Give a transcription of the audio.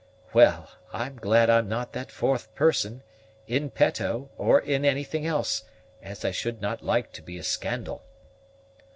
"Well, I'm glad I'm not that fourth person, in petto, or in anything else, as I should not like to be a scandal."